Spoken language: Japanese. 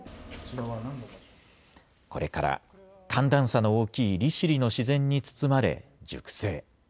これから寒暖差の大きい利尻の自然に包まれ、熟成。